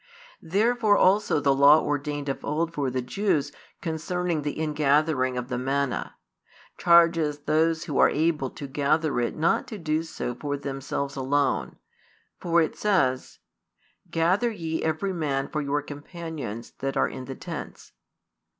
Therefore also the law ordained of old for the Jews concerning the ingathering of the manna, charges those who are able to gather it not to do so for themselves alone: for it says: Gather ye every man for your companions that are in the tents.